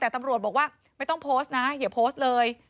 แต่ตำรวจบอกว่าไม่ต้องโพสต์นะอย่าโพสต์เลย